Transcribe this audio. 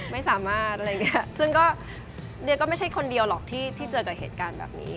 ไม่สามารถอะไรอย่างเงี้ยซึ่งก็เดียก็ไม่ใช่คนเดียวหรอกที่เจอกับเหตุการณ์แบบนี้